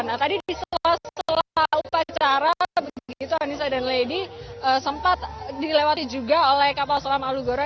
nah tadi di sela sela upacara begitu anissa dan lady sempat dilewati juga oleh kapal selam alugoro